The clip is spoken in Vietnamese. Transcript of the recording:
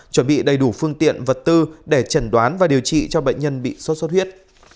chuẩn bị đầy đủ phương tiện vật tư để trần đoán và điều trị cho bệnh nhân bị sốt xuất huyết